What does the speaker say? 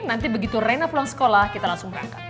nanti begitu rina pulang sekolah kita langsung bangkit ya